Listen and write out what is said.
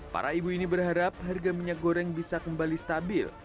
para ibu ini berharap harga minyak goreng bisa kembali stabil